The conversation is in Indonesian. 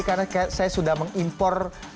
karena saya sudah mengimpor